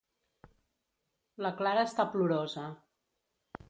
La Clara està plorosa.